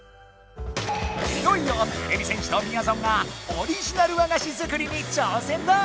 いよいよてれび戦士とみやぞんがオリジナル和菓子づくりにちょうせんだ！